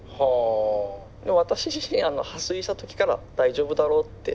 私自身破水した時から大丈夫だろうって。